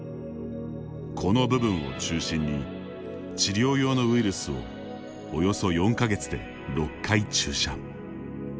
この部分を中心に治療用のウイルスをおよそ４か月で６回注射。